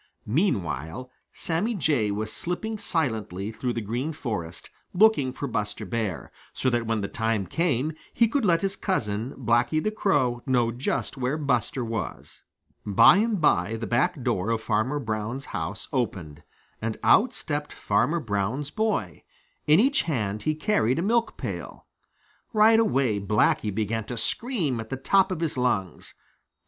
Meanwhile, Sammy Jay was slipping silently through the Green Forest, looking for Buster Bear, so that when the time came he could let his cousin, Blacky the Crow, know just where Buster was. By and by the back door of Farmer Brown's house opened, and out stepped Farmer Brown's boy. In each hand he carried a milk pail. Right away Blacky began to scream at the top of his lungs.